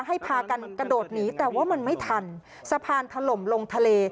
พากันกระโดดหนีแต่ว่ามันไม่ทันสะพานถล่มลงทะเล